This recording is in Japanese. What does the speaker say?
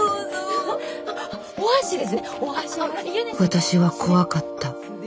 私は怖かった。